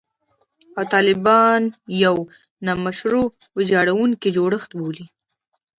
او طالبان یو «نامشروع او ویجاړوونکی جوړښت» بولي